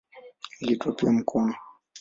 Iliitwa pia "mkono".